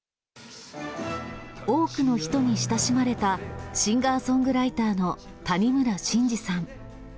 多くの人に親しまれたシンガーソングライターの谷村新司さん。